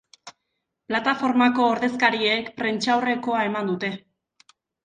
Plataformako ordezkariek prentsaurrekoa eman dute.